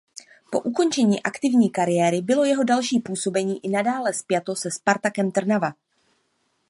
Po ukončení aktivní kariéry bylo jeho další působení i nadále spjato se Spartakem Trnava.